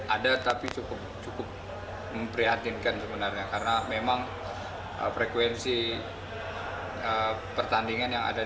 ada tapi cukup cukup memprihatinkan sebenarnya karena memang frekuensi pertandingan yang ada di